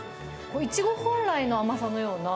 イチゴ本来の甘さのような、